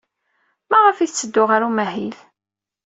Maɣef ay yetteddu ɣer umahil?